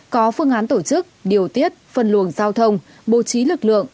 có phương án tổ chức điều tiết phân luồng giao thông bố trí lực lượng